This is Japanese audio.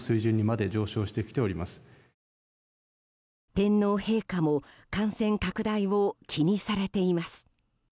天皇陛下も感染拡大を気にされています。